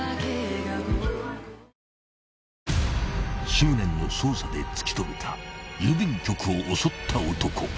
［執念の捜査で突き止めた郵便局を襲った男］